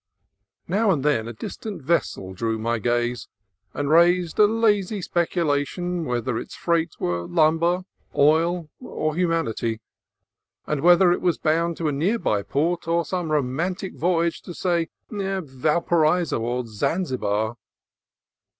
Now and then a distant vessel drew my gaze, and raised a lazy speculation whether its freight were lumber, oil, or humanity, and whether it was bound to a near by port or on some romantic voyage to, say, Valparaiso or Zanzibar.